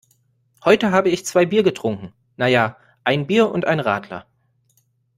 Heute habe ich zwei Bier getrunken. Na ja, ein Bier und ein Radler.